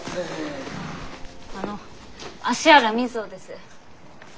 あの芦原瑞穂です。